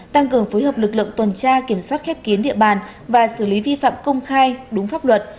tăng cường phối hợp lực lượng tuần tra kiểm soát khép kín địa bàn và xử lý vi phạm công khai đúng pháp luật